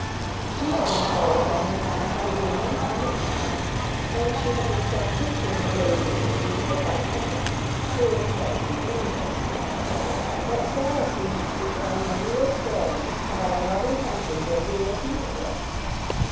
She had been told that her mamma had wings and a crown, and she had been shown pictures of ladies in beautiful white nightgowns, who were said to be angels. But Sara seemed to be telling a real story about a lovely country where real people were.